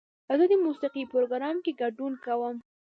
زه د موسیقۍ پروګرام کې ګډون کوم.